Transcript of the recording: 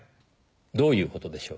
どういう事でしょう？